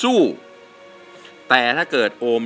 ร้องได้ไข่ล้าง